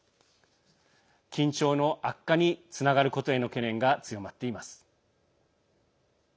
緊張の悪化につながることへの懸念が強まっています。